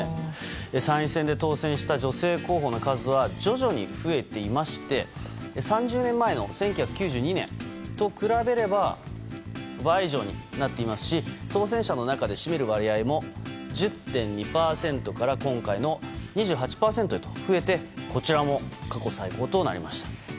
参院選で当選した女性候補の数は徐々に増えていまして３０年前の１９９２年と比べれば倍以上になっていますし当選者の中で占める割合も１０．２％から今回の２８％へと増えて、こちらも過去最高となりました。